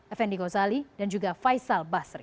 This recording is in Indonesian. effendi gozali dan juga faisal basri